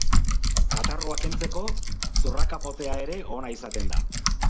Katarroa kentzeko zurrakapotea ere ona izaten da.